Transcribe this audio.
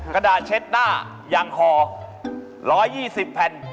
กระดาษเช็ดหน้ายังคอ๑๒๐แผ่น